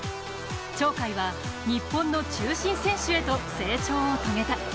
鳥海は日本の中心選手へと成長を遂げた。